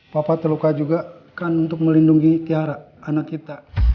papa terluka juga kan untuk melindungi kiara anak kita